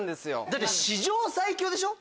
だって「史上最強」でしょ？